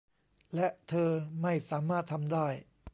และเธอไม่สามารถทำได้